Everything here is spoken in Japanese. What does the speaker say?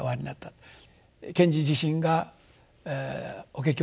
賢治自身が「法華経」